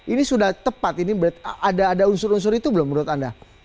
ini sudah tepat ini ada unsur unsur itu belum menurut anda